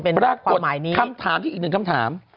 ปรากฏคำถามที่อีกหนึ่งคำถาม